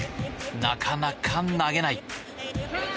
なかなか投げない。